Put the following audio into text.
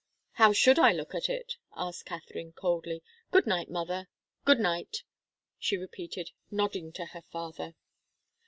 "How should I look at it?" asked Katharine, coldly. "Good night, mother good night," she repeated, nodding to her father.